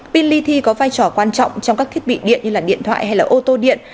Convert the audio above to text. pin ly thi có vai trò quan trọng trong các thiết bị điện như điện thoại hay ô tô điện